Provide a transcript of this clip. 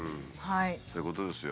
はい。